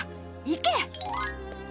行け！